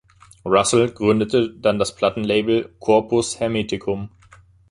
Russell gründete dann das Plattenlabel Corpus Hermeticum.